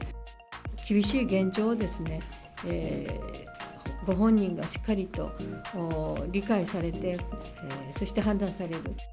厳しい現状をご本人がしっかりと理解されて、そして判断される。